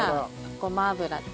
ごま油と。